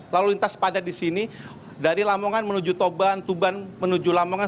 lalu lintas padat di sini dari lamongan menuju toban tuban menuju lamongan